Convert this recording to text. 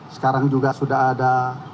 sekarang juga sudah ada